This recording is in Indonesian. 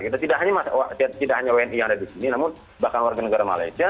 kita tidak hanya wni yang ada di sini namun bahkan warga negara malaysia